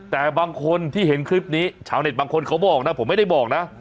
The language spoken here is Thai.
แต่บางคนที่เห็นคลิปนี้ชาวเน็ตบางคนเขาบอกนะผมไม่ได้บอกนะ